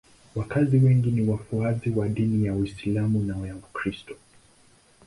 Wakazi wengi ni wafuasi wa dini ya Uislamu na ya Ukristo.